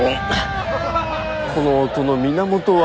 この音の源は。